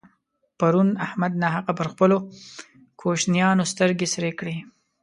پرون احمد ناحقه پر خپلو کوشنيانو سترګې سرې کړې.